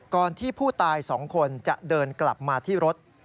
ที่ผู้ตาย๒คนจะเดินกลับมาที่รถ